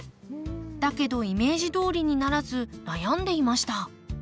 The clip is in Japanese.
だけどイメージどおりにならず悩んでいました。